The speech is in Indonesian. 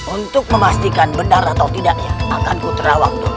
untuk memastikan benar atau tidak akan ku terawang dulu